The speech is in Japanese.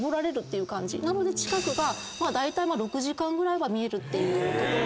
なので近くがだいたい６時間ぐらいは見えるっていう。